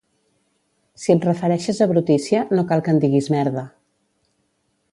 Si et refereixes a brutícia, no cal que en diguis merda.